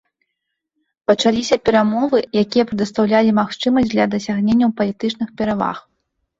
Пачаліся перамовы, якія прадастаўлялі магчымасць для дасягненняў палітычных пераваг.